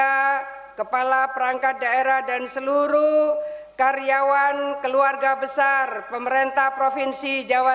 saya kepala perangkat daerah dan seluruh karyawan keluarga besar pemerintah provinsi jawa